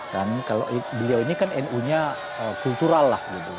dan kalau beliau ini kan nu nya kultural lah gitu